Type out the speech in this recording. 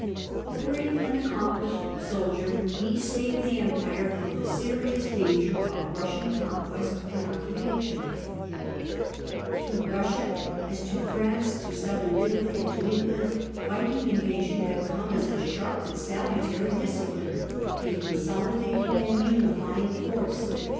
A brave and accomplished soldier, he saved the Empire from the serious danger of Kussian conquest and occupation. To Kussia, THE EASTERN EMPIRE AND THE SELJUK TURKS 65 as to France, to Southern Italy, and to England, Viking invasion had come as a sharp but salutary discipline, a consolidating and unifying force.